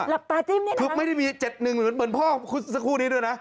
หลับตาจิ้มเนี่ยคือไม่ได้มี๗๑เหมือนพ่อสักครู่นี้ด้วยนะ